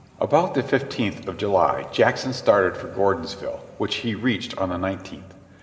About the fifteenth of July Jackson started for Gordonsville, which he reached on the nineteenth.